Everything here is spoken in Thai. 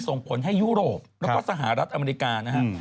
ส่งผลให้ยุโรปแล้วก็สหรัฐอเมริกานะครับ